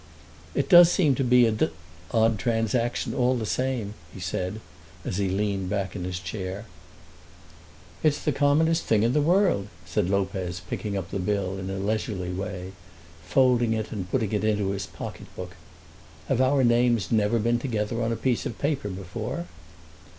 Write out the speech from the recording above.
"It does seem to be a d d odd transaction all the same," he said as he leaned back in his chair. "It's the commonest thing in the world," said Lopez picking up the bill in a leisurely way, folding it and putting it into his pocket book. "Have our names never been together on a bit of paper before?"